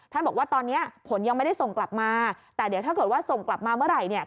บอกว่าตอนนี้ผลยังไม่ได้ส่งกลับมาแต่เดี๋ยวถ้าเกิดว่าส่งกลับมาเมื่อไหร่เนี่ย